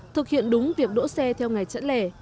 thực hiện đúng việc đỗ xe theo ngày chẵn lẻ